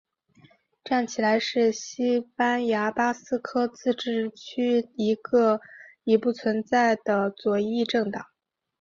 站起来是西班牙巴斯克自治区的一个已不存在的左翼政党。